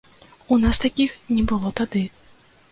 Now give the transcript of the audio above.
У нас такіх не было тады.